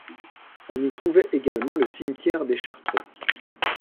On y trouvait également le cimetière des chartreux.